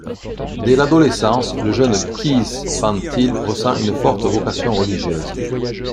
Dès l'adolescence, le jeune Kees van Til ressent une forte vocation religieuse.